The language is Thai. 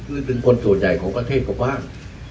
คือจึงคนส่วนใหญ่ของการเทศก็บ้าง